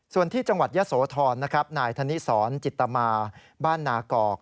ส่วนที่จังหวัดยะโสธรนะครับนายธนิสรจิตมาบ้านนากอก